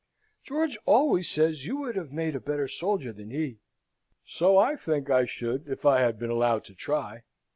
"George always says you would have made a better soldier than he." "So I think I should, if I had been allowed to try.